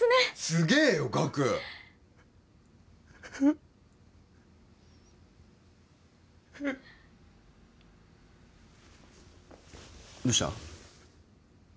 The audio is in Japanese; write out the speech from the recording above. すげえよガクどうした？